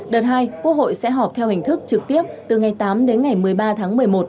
đợt hai quốc hội sẽ họp theo hình thức trực tiếp từ ngày tám đến ngày một mươi ba tháng một mươi một